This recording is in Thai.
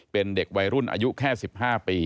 เป็นเด็กวัยรุ่นอายุแค่๑๕ปี